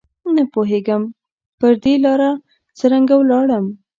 نه پوهېږم پر دې لاره څرنګه ولاړم